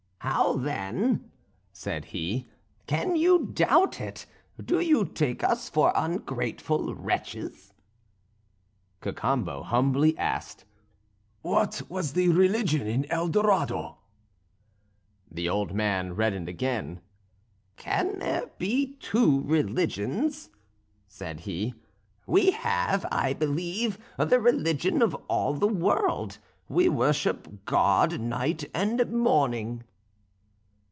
"How then," said he, "can you doubt it? Do you take us for ungrateful wretches?" Cacambo humbly asked, "What was the religion in El Dorado?" The old man reddened again. "Can there be two religions?" said he. "We have, I believe, the religion of all the world: we worship God night and morning."